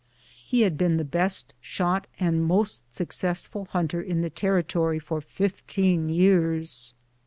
He had been the best shot and most successful hunter in the ter ritory for fifteen years.